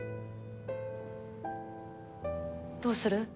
どうする？